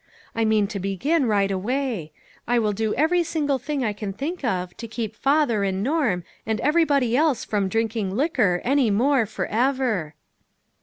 I mean to begin right away. I will do every single thing I can think of, to keep father, and Norm, and everybody else from drinking liquor any more forever."